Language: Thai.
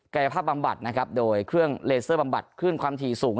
กายภาพบำบัดนะครับโดยเครื่องเลเซอร์บำบัดขึ้นความถี่สูง